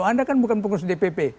anda kan bukan pengurus dpp